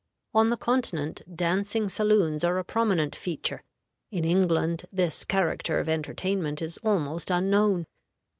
On the Continent dancing saloons are a prominent feature; in England this character of entertainment is almost unknown.